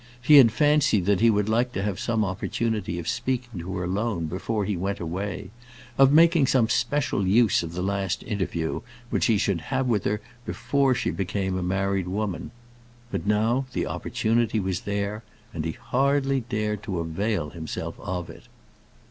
He had fancied that he would like to have some opportunity of speaking to her alone before he went away; of making some special use of the last interview which he should have with her before she became a married woman. But now the opportunity was there, and he hardly dared to avail himself of it.